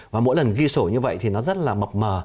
và mỗi lần ghi sổ như vậy thì nó rất là mập mờ